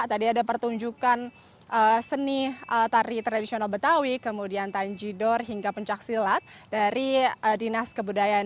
tadi ada pertunjukan seni tari tradisional betawi kemudian tanjidor hingga pencaksilat dari dinas kebudayaan